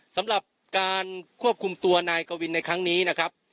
สำหรับการควบคุมตัวนายกวินในครั้งนี้นะครับ